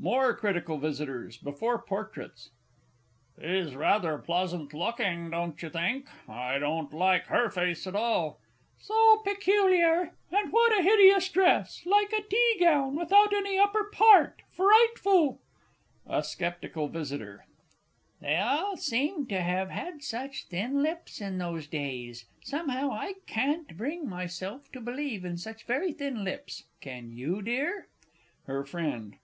MORE CRITICAL VISITORS (before Portraits). He's rather pleasant looking, don't you think? I don't like her face at all. So peculiar. And what a hideous dress like a tea gown without any upper part frightful! A SCEPTICAL V. They all seem to have had such thin lips in those days. Somehow, I can't bring myself to believe in such very thin lips can you, dear? HER FRIEND.